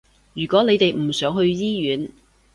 如果你哋唔想去醫院